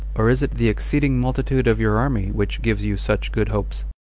Or is it the exceeding multitude of your army which gives you such good hopes?